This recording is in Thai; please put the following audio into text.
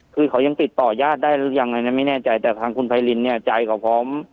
คือเขายังติดต่อยาดได้หรือยังอะไรนะไม่แน่ใจแต่ทางคุณไพรินเนี่ยใจเขาพร้อม